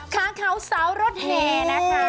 ค้าเขาสาวรถแห่นะคะ